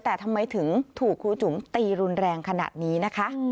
แต่ทำไมถึงถูกครูจุ๋มตีรุนแรงขนาดนี้นะคะ